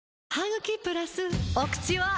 お口は！